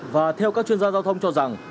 và theo các chuyên gia giao thông cho rằng